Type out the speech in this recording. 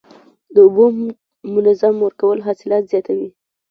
د اوبو منظم ورکول حاصلات زیاتوي.